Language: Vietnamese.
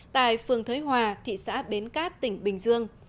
tại phường thới hòa thị xã bến cát tỉnh bình dương